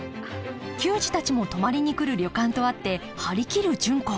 球児たちも泊まりに来る旅館とあって張り切る純子。